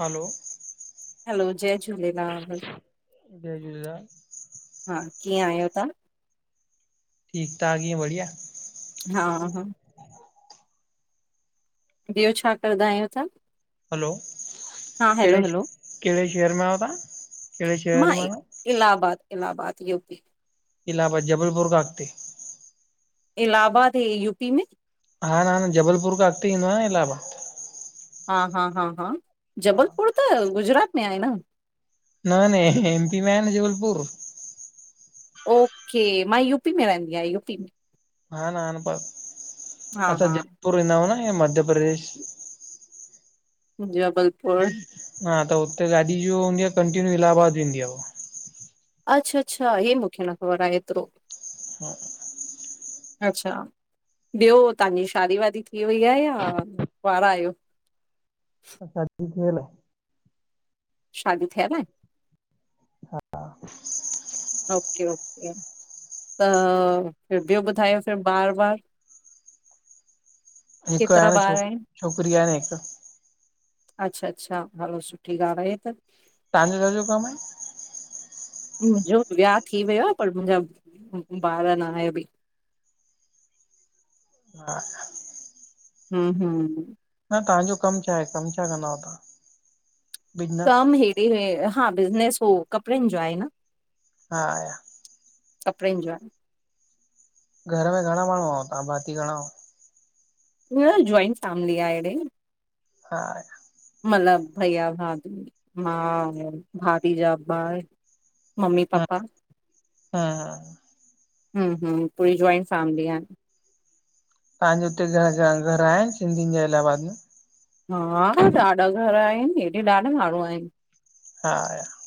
हलो। Hello जय झूलेलाल। जय झूलेलाल। हा कीअं आहियो तहां। ठीक- ठाक, ईंअं बढ़िया? हा। ॿयो छा करदा आहियो तां? हलो, हैलो कहिड़े शहर में आयो तव्हां कहिड़े शहर मां में इ- आहियो? Allahabad, Allahabad U P. इलाहबाद, जबलपुर खां अॻते। इलाहबाद, हे यूपी में। हा न- न, जबलपुर खां अॻते ईंदो आहे न इलाहबा हा- हा, हां- हां हा जबलपुर त गुजरात में आहे न? न- न, एम पी में आहे न जबलपुर। ओके, मां यूपी में रहंदी आहियां, यूपी में। हा न ह न पर, हा असां हा जोधपुर वींदा हुं न मध्य प्रदेश। जबलपुर। हा त हुते गाॾी जो हूंदी आहे, कंटीन्यू इलाहबाद वेंदी आ हुअ। अच्छा- अच्छा, हिय मूंखे न ख़बर आहे एतरो। [inaudible] अच्छा। ॿियो तहांजी शादी- वादी थी वई आहे या, कंवारा आयो? सादी थियल आह। शादी थियल आहे? हा। ओके- ओके, त, ॿियो ॿुधायो फिर ॿार -वार हिकु आहे केतरा न बार छोक आहेन? छोकिरी आहे न हिकु अच्छा- अच्छा, हलो सुठी ॻाल्हि आहे। हीअ त। तांजो छाजो कम आहे? मुंहिंजो वियांह थी वियो आहे पर, मुंहिंजा बार न आहे अबि। [inaudible] हुं -हुं। न तव्हांजो कमु छा आहे? कमु छा कंदा अओ तहां? कम हेॾे हे, हा बिज़नस हो कपड़ेनि जो आहे न। [unintelligible] कपड़ेन जो आए। घर में घणा माण्हू आओ तहां? भाती घणा आहो? न जॉइंट फैमिली आ हेॾे। हा। मतलब भैया- भाभी, मां, भाभी जा ॿार। मम्मी- पापा। हम्म हुं, पूरी जॉइंट फैमिल आहे। तहांजे हुते जी जा घर आहिनि? सिंधियुनि जे इलाबाद में? [unintelligible] हा ॾाढा घर आहिनि, हेॾे ॾाढा माण्हू आहिनि। [unintelligible]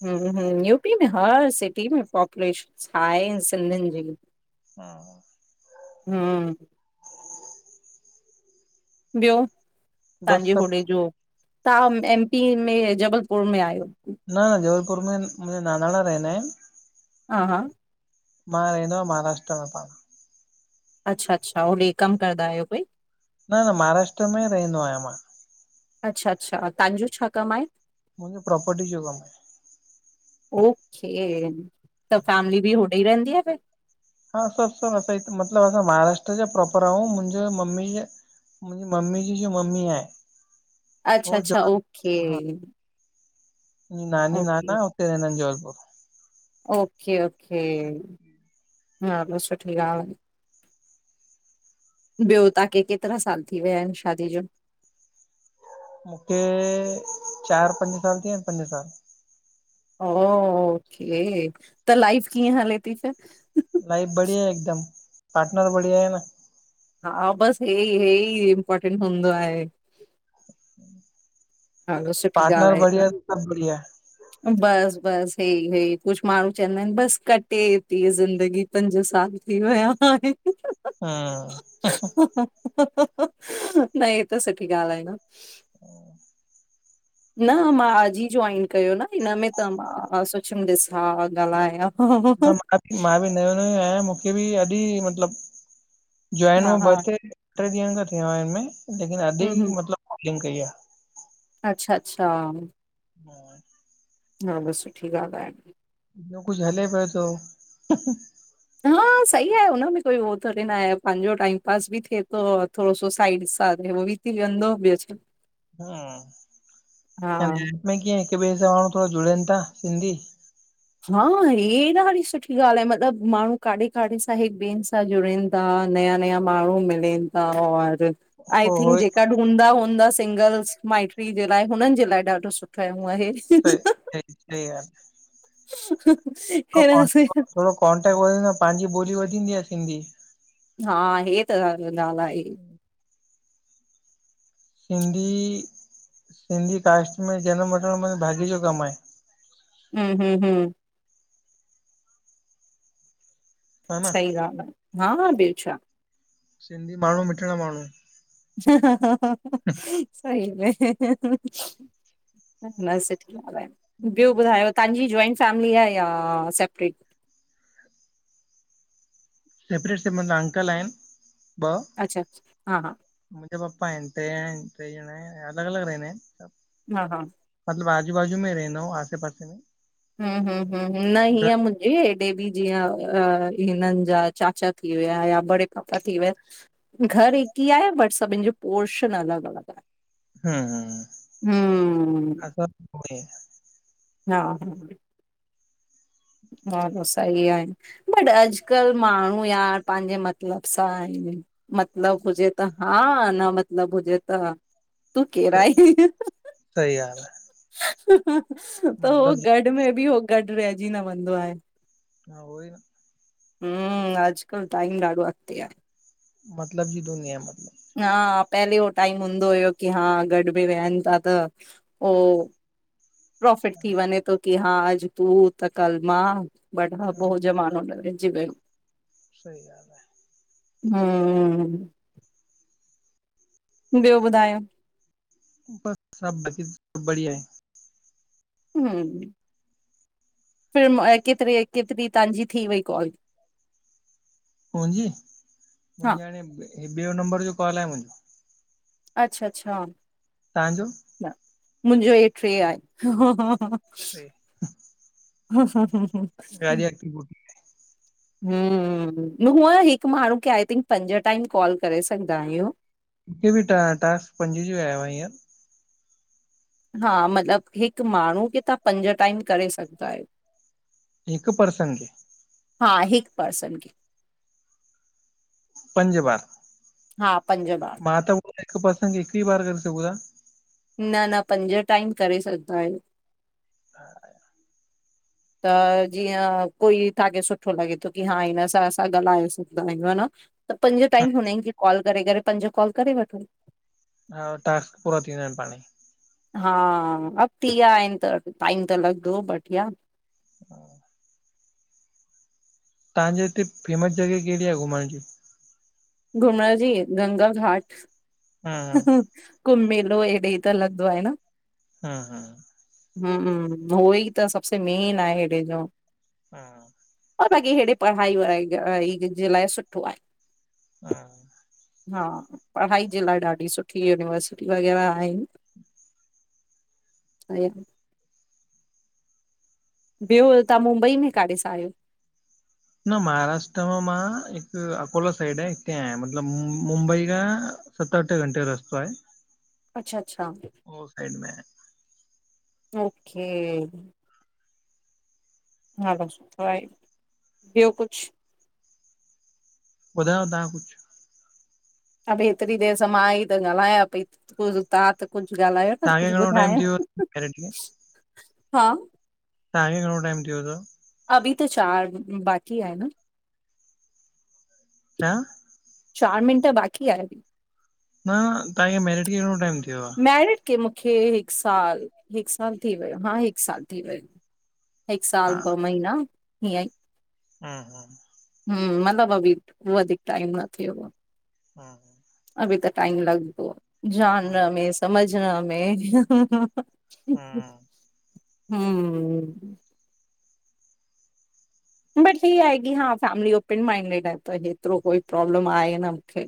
[unintelligible] यूपी में हा सिटी में पॉपुलेशन आहे। सिंधियुनि जी, हा, हा। हम। ॿियो बस तव्हांजे होॾे सभु जो। तव्हां एमपी में जबलपुर में आहियो? न, न। जबलपुर में मुहिंजा नानाड़ा रहिदा आहेन। हा, हा। मां, रहंदो आ, महाराष्ट्र में पाण। अच्छा अच्छा होॾे कमु कंदा आहियो कोई? न, न, महाराष्ट्र में ई रहंदो आहियां मां। अच्छा, अच्छा। तव्हांजो छा कमु आहे? मुंहिंजो पॉपर्टी जो कम। ओके त फैमिली बि होॾे ई रहंद आ फिर्? हा सभु सभु असां मतिलबु असां महाराष्ट्र जा प्रोपर आहियूं मुंहिंजे मम्मी जे। मुंहिंजी मम्मी जी, जी मम्मी आहे। अच्छा, हो अच्छा, ओके। जबलपुर हा नानी ओके नाना हुते रहदा आहेन जबलपुर। ओके, ओके हा बस सुठी ॻाल्हि आहे। ॿियो तव्हांखे केतिरा साल थी विया आहिनि शादी जो। मूंखे चारि पंज साल थी विया आहिनि पंज साल। ओके त लाइफ कीअं हले थी फिर? लाइफ बढीया हिकदम पार्टनर बढिया आहे न। हा बसि हे ई हे ई इमपोर्टेंट हूंदो आहे। हलो सुठी पार्टनर ॻाल्हि आहे बढ़िया त सभु बढ़िया। बस बस हेई हे कुझु माण्हू चवंदा आहिनि बस कटे थी ज़िंदगी। पंज साल थी विया आहिनि। हा न, हे त सुठी ॻाल्हि आहे न। [unintelligible] न मां अॼ ई जोईन कयो न हिन में त मां सोचमि ॾिसां ॻाल्हायां। न मां बि नयो, नयों आहियां मूंखे बि अॼ ई मतिलब। जोइन हा हू हा, ॿ टे टे ॾींहंनि खां थियो हिन में लेकिन अॼ हूं हूं, ई मतिलबु कॉलिंग कई आहे। अच्छा, अच्छा। हम। [unintelligible] हा बस सुठी ॻाल्हि आहे। ॿयो कुछु हले पियो थो। हा, सही आहे हुनमें कोई उहो थोड़ी न आहे, पंहिंजो टाइम पास बि थिए थो और थोरो सो साइड सां उह बि थी वेंदो ब्यो छा हा में कीअं हिकु ॿिए सां थोड़ो जुड़नि था सिंधी हा, हे ॾाढी सुठी ॻाल्हि आहे, मतिलबु माण्हू काॾे काॾे सां हिकु ॿियनि सां जुड़नि था, नया नया माण्हू मिलनि था और हो आईं हो थिंक जेका हूंदा हूंदा सिंगल्स माइट्री जे लाए, हुननि जे लाए ॾाढो सुठो हु आहें। [unintelligible] ह थोरो ह कॉन्टेक्ट [unintelligible] थोरो कॉन्टेक्ट वधंदो आहे, पंहिंजी ॿोली वधंदी आहे सिंधी हा हे त गाल आहे। सिंधी, सिंधी कास्ट में जनम वठण माना भाॼी जो कम आ हम-हम- हम हा न सही ॻाल् आ, हा ॿियो छा सिंधी माण्हूं, मिठड़ा माण्हूं। ह ह ह सईं मेह ह ह न स [inaudible] ॿियो ॿुधायो, तव्हांजी जॉइंट फैमिली आ या सेपरेट? सेपरेट से माना अंकल आहिनि, ॿ अच्छा, अच्छा, हा मुंहिंजो पप्पा आएन, ट्रे आएन, ट्रे ॼणा ऐं अलॻ अलॻ रहदां आहिनि सभ हा हा मतिलबु, आजू बाजू में ई रहंदा आहिंयु आसे पासे में हम हम हम न घर हिंयं म हेॾे बि जीअं अ हिनन जा चाचा थी विया या बड़े पापा थी विया घर हिक ही आहे, बट सभिन जो पोर्शन अलॻ अलॻ आहें। हम्म हम [unintelligible] हा हा ॻाल त सही आहे। बट, अॼुकल्ह माणहू यार पाहिंजे मतलबु सां आहिन, मतिलब हुजे त हा न मतिलब हुजे त त केर [unintelligible] ई सही ॻाल्हि आहे त उ मतलब घट में बि हो ॻॾु रहिंजी न वेंदो आहे। हा, उहो ई न हम, अॼकल्ह टाइम ॾाढो अॻिते आहे। मतलब जी दुनिया मतल हा, पहले उ टाइम हूंदो हुयो की हा, गॾ बि वेहनि था त ओ प्रोफिट थी वञे थो की हा, अॼ तूं त कल मां। बॾ खा पो हो जमानो लॻे जी वीयो। सही ॻाल् आ। हम ॿियो ॿुधायो बस सभ मजे में, सभु बढ़िया आहें। हम, फिर म केतरी, केतरी तव्हांजी थी वई कॉल? मुंहिंजी, हा मुंहिंजी हाणे ॿियो नंबर जो कॉल आहे मुं अच्छा- अच्छा। तव्हांजो? मुंहिंजो हे ट्रे आहे, हा हा [unintelligible] हा, हा, हा, हा [unintelligible] हुअं हिक माणहू खे आई थिंक पंज टाइम कॉल करे सघंदा आहियूं। मूंखे बि ट टास्क पंजे जो आयो आहे हींअर हा मतलब हिक माणहू खे तव्हां पंज टाइम करे सघंदा आहियो। हिकु परसन खे? हा हिकु पर्सन खे। पंज बार हा पंज ॿार मां त हिकु परसन खे हिक ई बार करे सघूं था न न पंज टाइम करे सघंदा आहियो। हा त! जीअं कोई तव्हांखे सुठो लॻे थो की हा हिन सां असां ॻाल्हाए सघंदा आहियूं ह न। त पंज टाइम हुननि खे कॉल करे करे पंज कॉल करे वठो।। हा ऊहो टास्क पूरो थींदा आहिनि पाण ई हा अॻिती विया आहिनि त टाइम त लॻदो बढिया। हा तव्हांजे हिते फेमस जॻहि कहिड़ी आहे घुमण जी? घुमण जी गंगा घाट ह हम्म हुं! कुंभ मेलो हेॾे ई त लॻदो आहे न! हा हा हुं हूं ऊहो ई त सबसे मेन आहे हेॾे जो। हुं! असां खे हेॾे पढ़ाई व़ाई [unintelligible] जे लाइ सुठो आहे। हुं। हा! पढ़ाई जे लाइ ॾाढी सुठी यूनिवर्सिटी वग़ैरह आहे। [inaudible] हूं। ॿियो [unintelligible] तव्हां मुंबई में काॾे सां आहियो? न महाराष्ट्र में मां हिकु अकोला साइड हते आहियां मतलब मुंबई खां सत अठ घंटे जो रस्तो आहे। अच्छा अच्छा। उहो साइड में आ। ओके! हा भाऊ सुठो आहे। ॿियो कुझु? ॿुधायो तव्हां कुझु। अ भ हेतिरी देरि त मां ई त ॻाल्हायां पई [unintelligible] तव्हां त! कुझु ॻाल्हायो न तव्हांखे कुझु घणो टाइम ॿुधायां थी वियो हुं ह मैरिड खे हा! तव्हांखे घणो टाइम थियो तव्? अभी त चार बाक़ी आहे न छा? चार मिन्ट बाक़ी आहिन। न तव्हा खे मैरिड के गणों टाइम थीयो आ? मेरिड के मूंखे हिकु साल! हिकु साल थी वियो हा हिकु साल थी वियो। हिकु आहे साल ॿ महीना हीअं ई। हुं हुं। हुं मतिलब अभी वधीक टाइम न थियो आ। हुं। अभी त टाइम लॻंदो हूं जानण में समझण में हुं हुं हूं हूं! हुं! बट हीअ आहे की हा फैमिली ओपन माइंडिड आहे त हेतिरो कोई प्रॉब्लम आहे न मूंखे।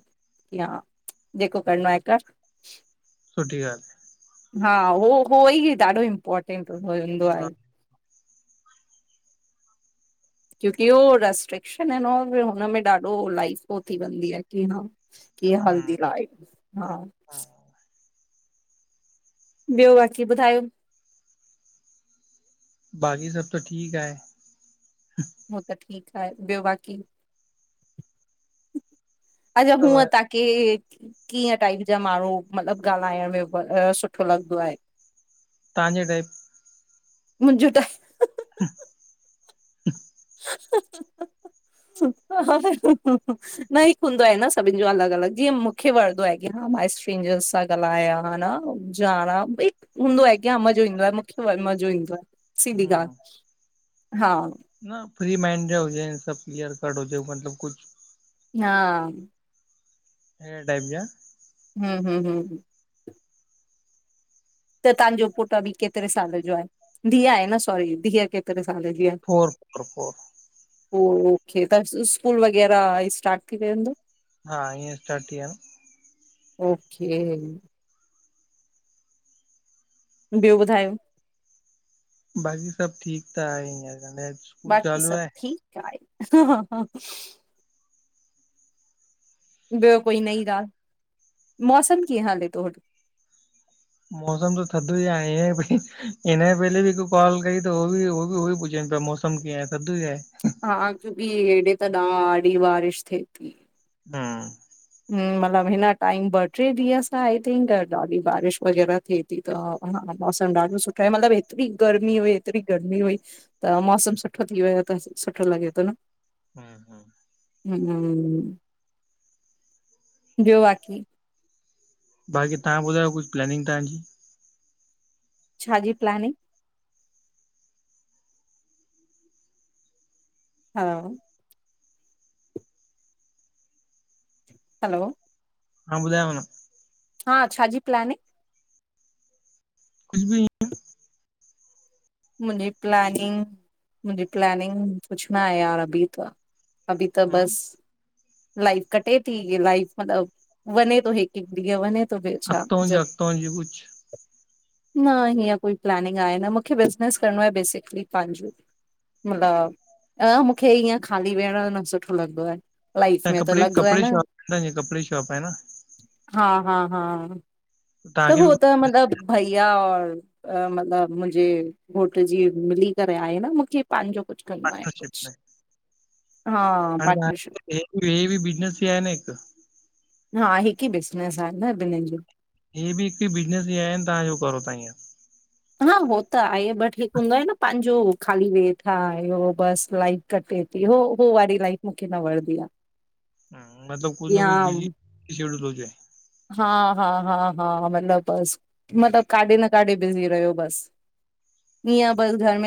हा जेको करणो आहे कर सुठी ॻाल्हि हा हो होई ॾाढो इमपोर्टेंट हु हूंदो आहे। क्योकी हो रेस्ट्रेंक्शन आहिन और हुनमें ॾाढो लाइफ पो थी वेंदी आहे की हा कीअं हल्दी लाईफ? हा हा ॿियो बाक़ी ॿुधायो? बाक़ी सब त ठीक आहे। हो त ठीक आहे। ॿियो बाक़ी? अच्छा सभ हूअं त के कीअं टाइप जा माण्हूं? मतलबु ॻाल्हाइण में सुठो लॻंदो आहे? तहांजे टाइप मुंजूं टाइप हा ह ह [unintelligible] न हिकु हूंदो आहे न सभिनि जो अलग-अलग, जीअं मूंखे वणदो आहे, की हा माई स्ट्रेंजरस सा ॻाल्हाया हां न जाणा ॿई हूंदो आहे क्या मज़ो ईंदो आ मूंखे मज़ो ईंदो आ सिधी हूं ॻाल्हि हा न फ्री माइंड जा हुजे सभु क्लीियर कट हुजे मतलब कुछु हा हेड़े टाइप जा हूं हूं हूं त तव्हांजो पुटु अबि केतिरे साल जो आहे? धीअ आहे न सॉरी धीअ केतिरे साल जी? आहे फोर फोर ओके, त स्कूल वग़ैरह स्टार्ट थी वेंदो हा हिअं स्टार्ट थी आ। ओके ॿियो ॿुधायो? बाक़ी सब ठीक आहे इअं त मैच बाक़ी सब ठीक आहे। ॿियो कोई नई ॻाल्हि मौसमु कीअं हले थो हुत? मौसम त थधो ई आहे बकि हिन जे पहले बि हिकु कॉल कई त होबि होबि पुछनि पिया मौसम कमु कीअं आए? थधो ही आए। हा क्योंकि हेॾे त ॾाढी बारिश थिए थी। हा हं मतिलबु हिन टाइम ॿ ट्रे ॾींहं सां आई थिंक ॾाढी बारिश वग़ैरह थिए ती त हा मौसम ॾाढो सुठै मतलबु ऐतिरी गर्मी हुई ऐतिरी गर्मी हुई त मौसम सुठो थी वियो त सुठो लॻे तो न। [inaudible] हूं ॿियो बाकी? बाकी तहां ॿुधायो कुछ प्लेनिंग तहांजी? छा जी प्लानिंग? हा हलो, हा ॿुधायुव न हा छा जी प्लानिंग? कुझु बि मुंजी प्लानिंग, मुंजी प्लानिंग कुुछ न आहे यार अभी त अभी त बस लाइफ कटे ती इअ लाइफ मतलब वञे थो हिकु-हिकु ॾींहुं वञे थो ॿियो छा अॻतों जी जब अॻतो जी कुझु? न हीअं कोई प्लॅनिंग आहे न मूंखे बिज़नेस करिणो आहे बेसिकली पंहिंजो। मतिलबु अ मूंखे ईअं ख़ाली विहण न सुठो लॻंदो आ। त कपड़े कपिड़े शॉप हांजी कपिड़ जी शॉप आहे न हा -हा -हा त तव्हांखे बि हो त कुझु मतलब भईया और मतिलबु मुंहिंजे घोट जी मिली करे आहेई न मूंखे। पंहिंजो कुझु करणो आहे पार्टनरशिप कुझु में हा हाणे तव्हां पार्टनरशिप। हे भी बिज़नस ई आहे न हिकु। हा हिकु ई बिज़नेस आहे न ॿिहिनि जो। हीअ बि हिकडो बिज़नस ई आहे तहांजो करो ता ईअं हा हो त आहे बट हिकु हूंदो आहे न पंहिंजो खाली वे थ बस लाइ कटे थी हो हो वारी लाइफ मूंखे न वणंदी आहे। हा मतलब कुझ न या कुझु बिज़ी शेड्यूल हुजे। हा- हा- हा -हा मतिलबु बसि मतिलबु काॾे न काॾे बिज़ी रहियो बस। ईअं बस घर में।